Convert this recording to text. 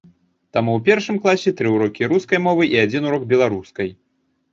Таму у першым класе тры ўрокі рускай мовы, і адзін урок беларускай.